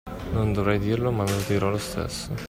Non dovrei dirlo, ma lo dirò lo stesso.